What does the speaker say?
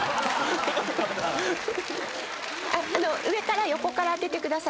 上から横から当ててください。